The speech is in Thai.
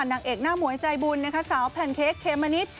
นางเอกหน้าหมวยใจบุญนะคะสาวแพนเค้กเมมะนิด